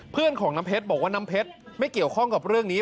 เพื่อนของน้ำเพชรบอกว่าน้ำเพชรไม่เกี่ยวข้องกับเรื่องนี้